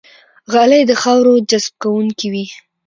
غالۍ د خاورو جذب کوونکې وي.